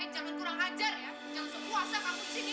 jangan kurang ajar ya jangan sok puasa kamu di sini